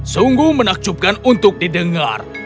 sungguh menakjubkan untuk didengar